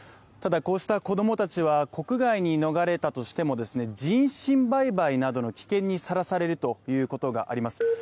ただこうした子供たちは、国外に逃れたとしても、人身売買などの危険にさらされるということがあります。